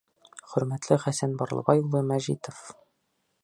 Хөрмәтле Хәсән Барлыбай улы Мәжитов!